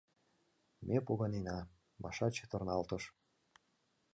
— Ме погынена, — Маша чытырналтыш.